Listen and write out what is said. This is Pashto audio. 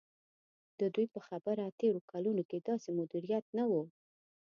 د دوی په خبره تېرو کلونو کې داسې مدیریت نه و.